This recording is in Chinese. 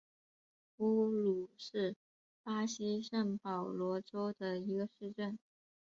乌鲁是巴西圣保罗州的一个市镇。